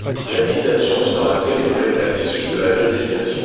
L’habilitation sera délivrée à l’issue de la vérification.